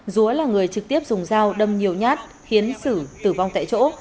dúa là người trực tiếp dùng dao đâm nhiều nhát khiến sử tử vong tại chỗ